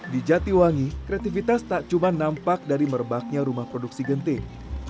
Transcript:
di jatiwangi kreativitas tak cuma nampak dari merebaknya rumah produksi genting